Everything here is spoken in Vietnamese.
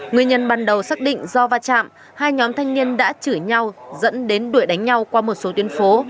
nguyên nhân ban đầu xác định do va chạm hai nhóm thanh niên đã chửi nhau dẫn đến đuổi đánh nhau qua một số tuyến phố